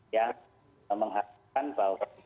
yang mengharuskan bahwa